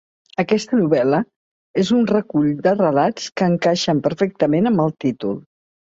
Aquesta novel·la és un recull de relats que encaixen perfectament amb el títol.